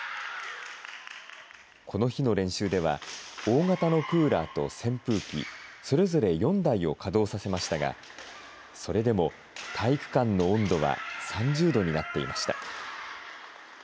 この日の練習では大型のクーラーと扇風機、それぞれ４台を稼働させましたがそれでも体育館の温度は３０度になっていました。